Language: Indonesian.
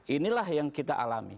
inilah yang kita alami